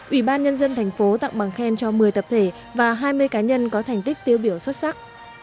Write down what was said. ủy ban nhân dân thành phố tặng bằng khen cho một mươi tập thể và hai mươi cá nhân có thành tích tiêu biểu xuất sắc